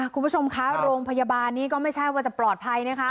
คุณผู้ชมคะโรงพยาบาลนี้ก็ไม่ใช่ว่าจะปลอดภัยนะคะ